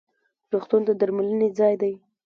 روغتون د درملنې ځای دی